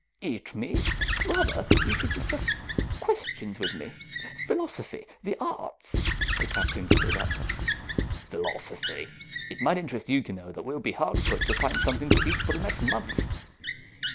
Eat me? Rather you should discuss questions with me, philosophy, the arts " The Captain stood up. "Philosophy. It might interest you to know that we will be hard put to find something to eat for the next month.